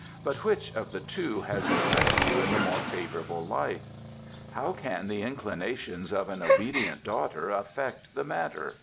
But which of the two has impressed you in the more favourable light?" "How can the inclinations of an obedient daughter affect the matter?"